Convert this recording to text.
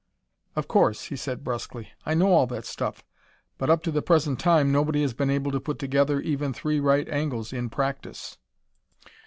"Of course" he said brusquely. "I know all that stuff. But up to the present time nobody has been able to put together even three right angles, in practise."